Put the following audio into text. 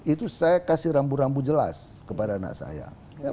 itu saya kasih rambu rambu jelas kepada anak saya